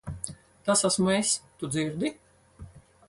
Tas esmu es. Tu dzirdi?